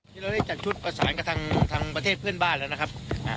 นี่เราได้จัดชุดประสานกับทางประเทศเพื่อนบ้านแล้วนะครับ